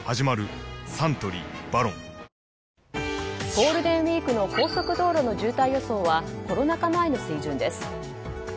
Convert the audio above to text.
ゴールデンウィークの高速道路の渋滞予想はコロナ禍前の水準です。